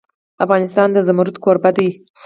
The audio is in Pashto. افغانستان د زمرد کوربه دی.